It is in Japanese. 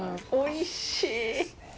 おいしい！